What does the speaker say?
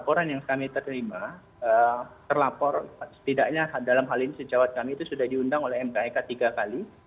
laporan yang kami terima terlapor setidaknya dalam hal ini sejawat kami itu sudah diundang oleh mkek tiga kali